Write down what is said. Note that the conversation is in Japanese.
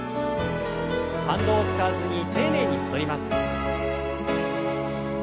反動を使わずに丁寧に戻ります。